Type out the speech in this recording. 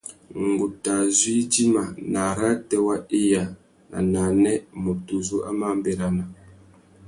Ngu tà zú idjima; nà arrātê wa iya na nānê, mutu uzu a má nʼbérana.